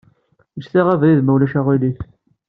Get-aɣ abrid, ma ulac aɣilif.